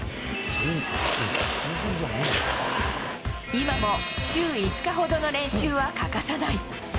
今も週５日ほどの練習は欠かさない。